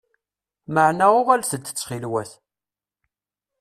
Meɛna uɣalet-d ttxil-wet!